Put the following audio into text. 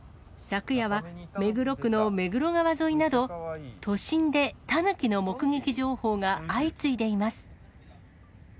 昨夜は、目黒区の目黒川沿いなど、都心でタヌキの目撃情報が相次いでいます。